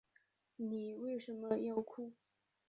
妳为什么要哭